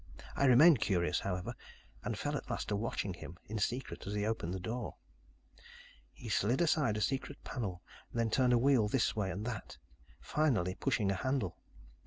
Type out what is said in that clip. I remained curious, however, and fell at last to watching him in secret as he opened the door. "He slid aside a secret panel, then turned a wheel this way and that, finally pushing a handle.